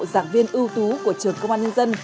giảng viên ưu tú của trường công an nhân dân